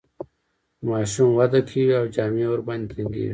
خو ماشوم وده کوي او جامې ورباندې تنګیږي.